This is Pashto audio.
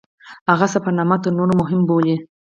هغه سفرنامه تر نورو مهمه بولي.